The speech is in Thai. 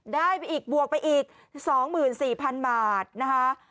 ได้ไปอีกบวกไปอีกสองหมื่นสี่พันบาทนะคะ